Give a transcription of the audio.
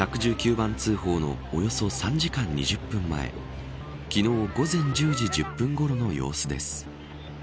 １１９番通報のおよそ３時間２０分前昨日、午前１０時１０分ごろの様子です。